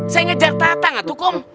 saya ngejar tata gak tuh kum